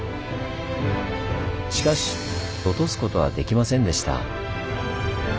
しかし落とすことはできませんでした。